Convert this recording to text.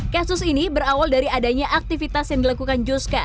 kasus ini berawal dari adanya aktivitas yang dilakukan juska